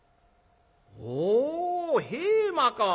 「ほう平馬か。